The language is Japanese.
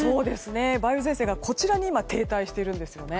梅雨前線が、こちらに停滞しているんですよね。